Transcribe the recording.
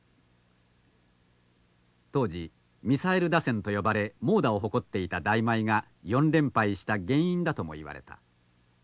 当時ミサイル打線と呼ばれ猛打を誇っていた大毎が４連敗した原因だとも言われた。